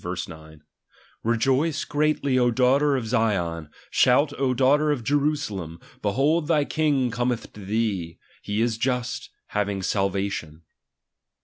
9) : Rejmce greatly O daughter of Zion, shout O daughter (f Jerusalem ; heliold thy king cometh to thee ; he is just, having salvation.